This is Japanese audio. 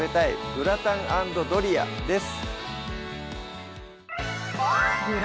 グラタン＆ドリア」です